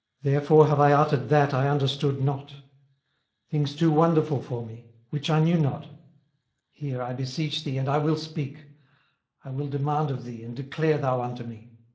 therefore have I uttered that I understood not; things too wonderful for me, which I knew not. 18:042:004 Hear, I beseech thee, and I will speak: I will demand of thee, and declare thou unto me.